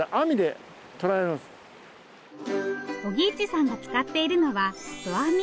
扇一さんが使っているのは投網。